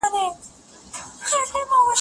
فشار وروسته له حل کېدو له منځه ځي.